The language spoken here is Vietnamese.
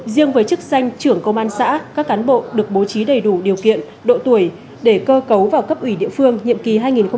riêng với chức danh trưởng công an xã các cán bộ được bố trí đầy đủ điều kiện độ tuổi để cơ cấu vào cấp ủy địa phương nhiệm kỳ hai nghìn hai mươi hai nghìn hai mươi năm